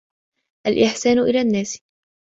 الْإِحْسَانُ إلَى النَّاسِ